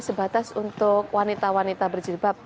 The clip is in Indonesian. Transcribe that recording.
sebatas untuk wanita wanita berjilbab